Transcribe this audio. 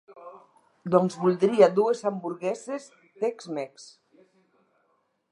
Doncs voldria dues hamburgueses Tex Mex.